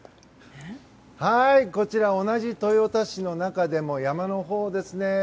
こちら同じ豊田市の中でも山のほうですね。